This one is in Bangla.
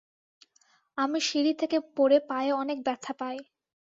আমি সিঁড়ি থেকে পরে পায়ে অনেক ব্যথা পাই।